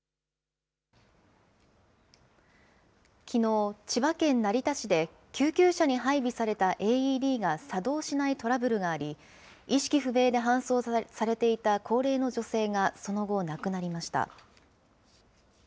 きのう、千葉県成田市で、救急車に配備されたＡＥＤが作動しないトラブルがあり、意識不明で搬送されていた高齢の女性がその後、亡くなりました。